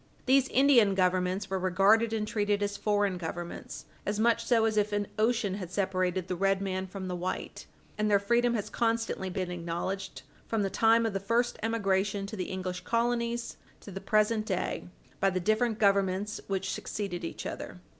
These Indian Governments were regarded and treated as foreign Governments as much so as if an ocean had separated the red man from the white, and their freedom has constantly been acknowledged, from the time of the first emigration to the English colonies to the present day, by the different Governments which succeeded each other.